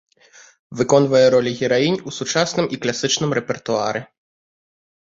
Выконвае ролі гераінь у сучасным і класічным рэпертуары.